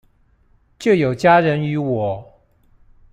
就有家人與我